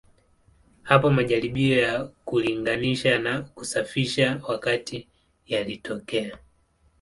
Hapo majaribio ya kulinganisha na kusafisha wakati yalitokea.